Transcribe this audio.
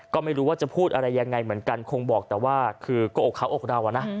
ก็ไม่รู้ว่าจะพูดอะไรยังไงเหมือนกันคงบอกแต่ว่าคือก็อกเขาอกเราอะนะ